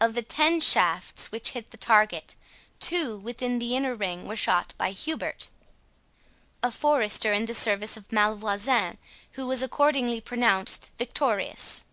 Of the ten shafts which hit the target, two within the inner ring were shot by Hubert, a forester in the service of Malvoisin, who was accordingly pronounced victorious.